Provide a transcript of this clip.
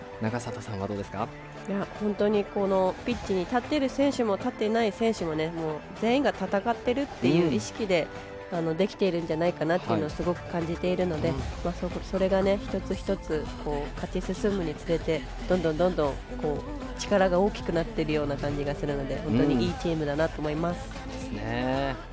本当にこのピッチに立てる選手も立ってない選手も全員が戦っているという意識でできているんじゃないかなというのをすごく感じているのでそれが一つ一つ勝ち進むにつれてどんどん力が大きくなってるような感じがするので本当にいいチームだなと思います。